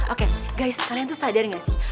oke guys kalian tuh sadar gak sih